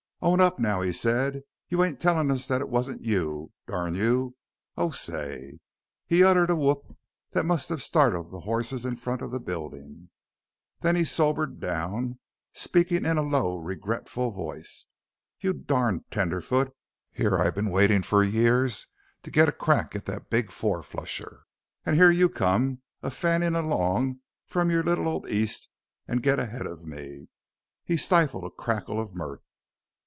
"Own up now!" he said. "You ain't tellin' us that it wasn't you, durn you! Oh, say!" He uttered a whoop that must have startled the horses in front of the building. Then he sobered down, speaking in a low, regretful voice: "You durn tenderfoot! Here I've been waitin' for years to get a crack at that big four flusher, an' here you come, a fannin' along from your little old East an' get ahead of me!" He stifled a cackle of mirth.